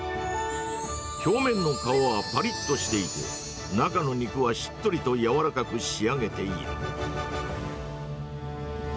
表面の皮はぱりっとしていて、中の肉はしっとりと柔らかく仕上げている。